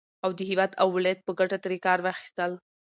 او د هېواد او ولايت په گټه ترې كار واخيستل